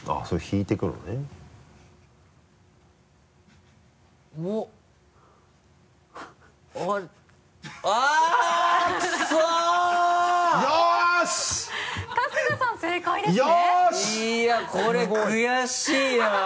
いやこれ悔しいな。